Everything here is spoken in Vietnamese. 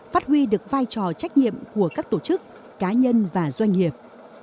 phát huy được vai trò trách nhiệm của các tổ chức cá nhân và doanh nghiệp